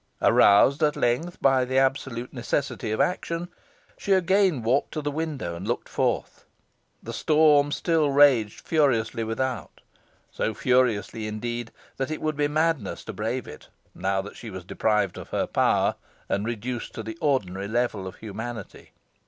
Aroused at length by the absolute necessity of action, she again walked to the window and looked forth. The storm still raged furiously without so furiously, indeed, that it would be madness to brave it, now that she was deprived of her power, and reduced to the ordinary level of humanity.